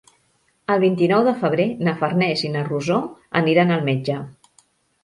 El vint-i-nou de febrer na Farners i na Rosó aniran al metge.